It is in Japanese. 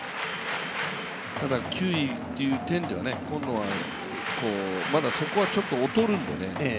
ただ球威という点では今野はまだそこは劣るんでね